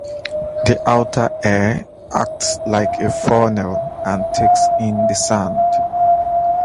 The outer ear acts like a funnel and takes in the sound.